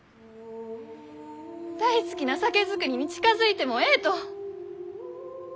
大好きな酒造りに近づいてもえいと。